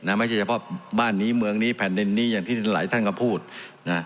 ไม่ใช่เฉพาะบ้านนี้เมืองนี้แผ่นดินนี้อย่างที่หลายท่านก็พูดนะ